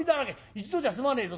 一度じゃ済まねえぞ。